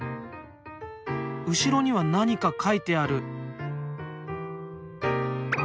後ろには何か書いてある。